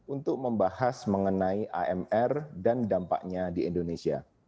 untuk membahas mengenai amr dan dampaknya di indonesia